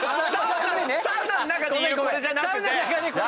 サウナの中で言うこれじゃなくて。